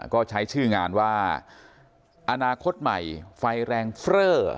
ก็ใช้ชื่องานว่าอนาคตใหม่ไฟแรงเฟรอ